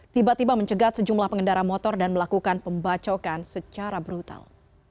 tiba tiba mencegat sejumlah pengendara motor dan melakukan pembacokan secara brutal